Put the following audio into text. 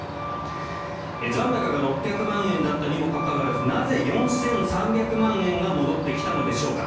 残高が６００万円だったにもかかわらずなぜ、４３００万円が戻ってきたのでしょうか。